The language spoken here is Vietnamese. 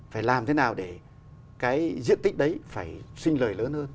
phải làm thế nào để cái diện tích đấy phải sinh lời lớn hơn